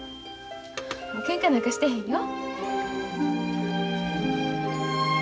けんかなんかしてへんよ。